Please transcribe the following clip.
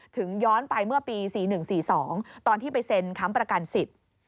ย้อนไปเมื่อปี๔๑๔๒ตอนที่ไปเซ็นค้ำประกันสิทธิ์